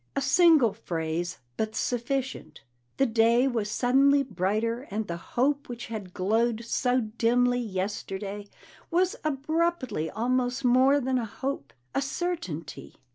A single phrase, but sufficient. The day was suddenly brighter, and the hope which had glowed so dimly yesterday was abruptly almost more than a hope a certainty.